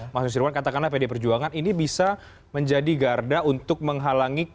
mas nusirwan katakanlah pd perjuangan ini bisa menjadi garda untuk menghalangi